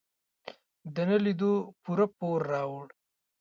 د نه لیدو پوره پور راوړ.